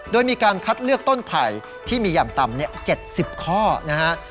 โดยมีการคัดเลือกต้นไผ่ที่มีอย่างต่ำ๗๐ข้อนะฮะ